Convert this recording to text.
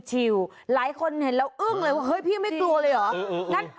หลายคนเห็นแล้วอึ้งเลยว่าเฮ้ยพี่ไม่กลัวเลยเหรอ